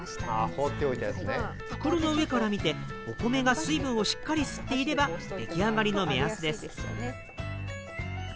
袋の上から見てお米が水分をしっかり吸っていれば出来上がりの目安です。